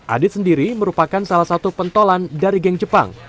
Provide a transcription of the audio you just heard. adit sendiri merupakan salah satu pentolan dari geng jepang